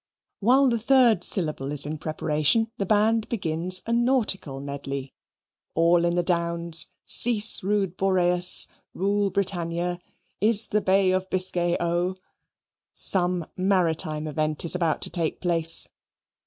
While the third syllable is in preparation, the band begins a nautical medley "All in the Downs," "Cease Rude Boreas," "Rule Britannia," "In the Bay of Biscay O!" some maritime event is about to take place.